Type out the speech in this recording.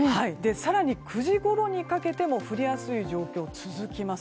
更に９時ごろにかけても降りやすい状況が続きます。